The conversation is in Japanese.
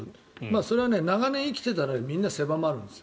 それは長年、生きてたらみんな狭まるんですよ。